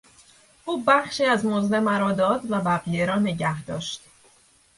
او بخشی از مزد مرا داد و بقیه را نگهداشت.